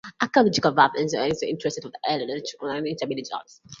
Archaeologist Vaughn Bryant has investigated this strange lack of intermediate hunts.